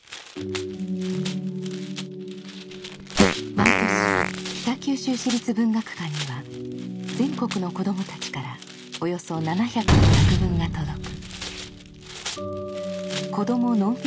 毎年北九州市立文学館には全国の子どもたちからおよそ７００の作文が届く。